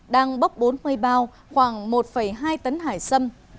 đang bốc bốn mươi bao khoảng một hai tấn hải sâm